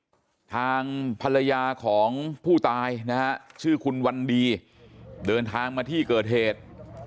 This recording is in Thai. ทางภรรยาของผู้ตายนะฮะชื่อคุณวันดีเดินทางมาที่เกิดเหตุ